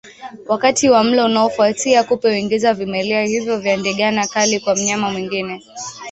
Wakati wa mlo unaofuatia kupe huingiza vimelea hivyo vya ndigana kali kwa mnyama mwingine